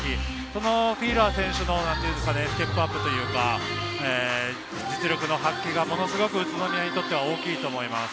そのフィーラー選手のステップアップというか、実力の発揮がものすごく宇都宮にとって大きいと思います。